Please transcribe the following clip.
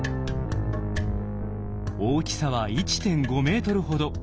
大きさは１．５ｍほど。